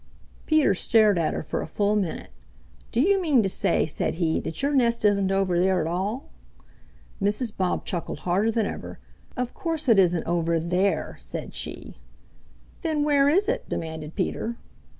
Peter stared at her for a full minute. "Do you mean to say," said he "that your nest isn't over there at all?" Mrs. Bob chuckled harder than ever. "Of course it isn't over there," said she. "Then where is it?" demanded Peter.